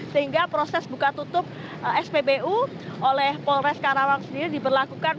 sehingga proses buka tutup spbu oleh polres karawang sendiri diberlakukan